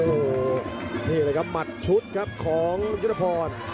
โอ้โหนี่แหละครับหมัดชุดครับของยุทธพร